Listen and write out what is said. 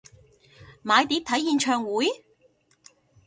買碟睇演唱會？